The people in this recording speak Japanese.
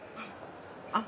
あっ！